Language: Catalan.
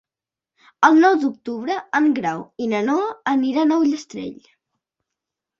El nou d'octubre en Grau i na Noa aniran a Ullastrell.